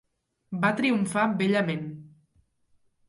Va triomfar bellament.